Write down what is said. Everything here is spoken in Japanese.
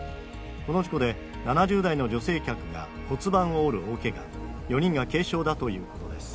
この事故で７０代の女性客が骨盤を折る大けが、４人が軽傷だということです。